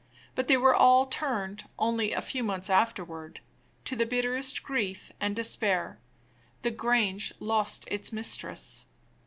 But they were all turned, only a few months afterward, to the bitterest grief and despair: the Grange lost its mistress.